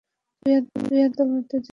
তুই আদালতে যেতে পারবি না।